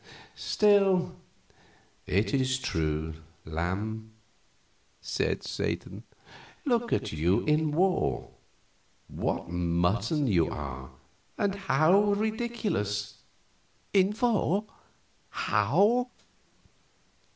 "Still, it is true, lamb," said Satan. "Look at you in war what mutton you are, and how ridiculous!" "In war? How?"